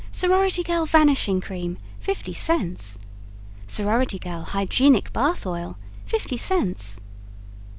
Sorority Girl Vanishing Cream 50 cts. Sorority Girl Hygienic Bath Oil 50 cts.